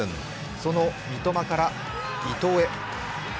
その三笘から伊東へ。